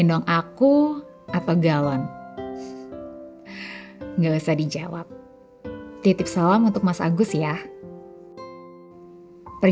saya aja banggain kita paj fighter